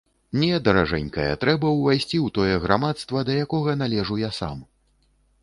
Не, даражэнькая, трэба ўвайсці ў тое грамадства, да якога належу я сам.